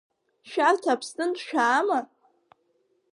Шәарҭ Аԥснынтә шәаама?